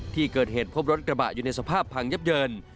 ที่เกิดเหตุพบรถกระบะอยู่ในสภาพพังยับเยิน